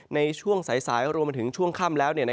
ในช่วงสายรวมมาถึงช่วงค่ำแล้ว